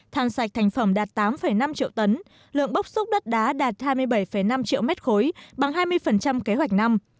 than sạch thành phẩm đạt tám năm triệu tấn lượng bốc xúc đất đá đạt hai mươi bảy năm triệu mét khối bằng hai mươi kế hoạch năm